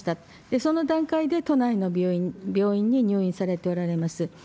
その段階で都内の病院に入院されておられます。